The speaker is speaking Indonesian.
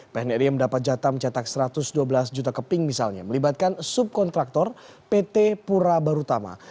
pnri mendapat jatah mencetak satu ratus dua belas juta keping misalnya melibatkan subkontraktor pt pura barutama